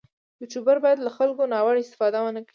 یوټوبر باید له خلکو ناوړه استفاده ونه کړي.